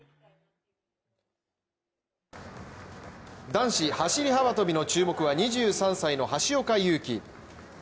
男子走り幅跳びの注目は２３歳の橋岡優輝。